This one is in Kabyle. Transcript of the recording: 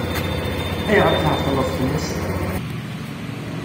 Ayɣer i tɛeṭṭleḍ fell-as?